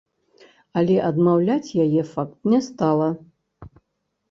Але адмаўляць яе факт не стала.